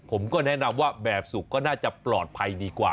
ผมก็แนะนำว่าแบบสุกก็น่าจะปลอดภัยดีกว่า